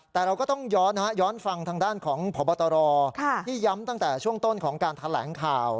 แต่เราก็ต้องย้อนฟังทางด้านของพบตรที่ย้ำตั้งแต่ช่วงต้นของการแถลงข่าว